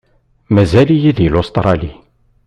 Mazal-iyi di Lustṛali.